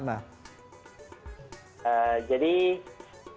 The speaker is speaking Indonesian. jadi saya diundang